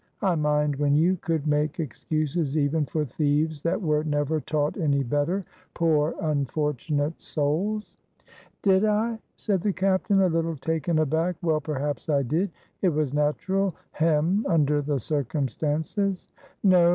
I mind when you could make excuses even for thieves that were never taught any better, poor unfortunate souls." "Did I?" said the captain, a little taken aback. "Well, perhaps I did; it was natural, hem, under the circumstances. No!